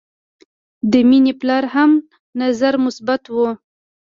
د مینې پلار هم نظر مثبت و